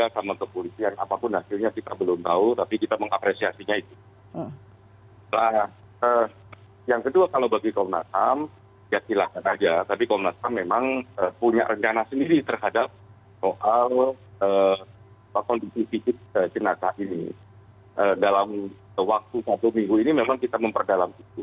satu minggu ini memang kita memperdalam situ